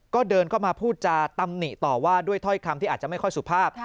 ก็เดินเข้ามาพูดจาตำหนิต่อว่าด้วยถ้อยคำที่อาจจะไม่ค่อยสุภาพ